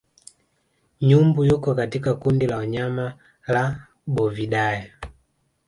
Nyumbu yuko katika kundi la wanyama la Bovidae